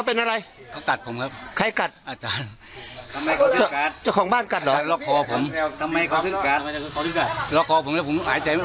โอ้โหเป็นยังไงล่ะ